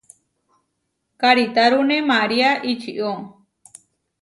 Karitárune María ičió.